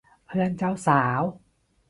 เพื่อนเจ้าสาว